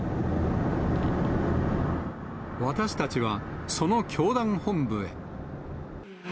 私たちはその教団本部へ。